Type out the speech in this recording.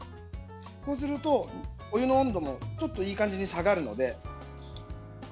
すると、お湯の温度もいい感じに下がるので。